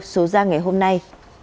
số ra ngày hôm nay